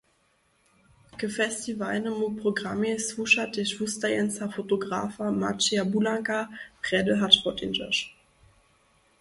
K festiwalnemu programej słuša tež wustajeńca fotografa Maćija Bulanka "Prjedy hač woteńdźeš".